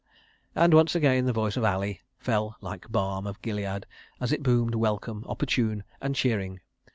... And again the voice of Ali fell like balm of Gilead, as it boomed, welcome, opportune and cheering.